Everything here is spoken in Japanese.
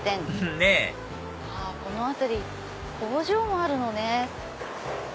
ねぇこの辺り工場もあるのね。